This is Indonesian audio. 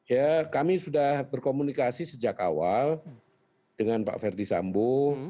ya kami sudah berkomunikasi sejak awal dengan pak ferdisambo